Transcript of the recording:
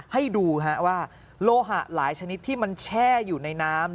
ให้ดูว่าโลหะหลายชนิดที่มันแช่อยู่ในน้ำ